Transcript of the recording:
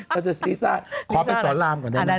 ก็จะลิซ่าขอไปสอนลามก่อนได้ไหม